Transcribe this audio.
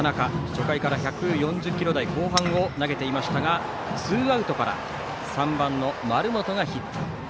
初回から１４０キロ台後半を投げていましたがツーアウトから３番の丸本がヒット。